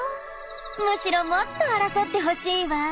むしろもっと争ってほしいわ。